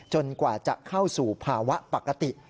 กว่าจะเข้าสู่ภาวะปกติ